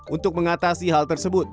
untuk mengatasi hal tersebut